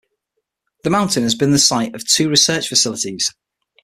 The mountain has been the site of two research facilities.